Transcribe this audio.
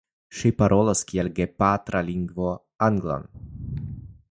Ŝi parolas kiel gepatra lingvo anglan.